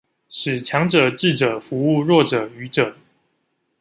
使強者智者服務弱者愚者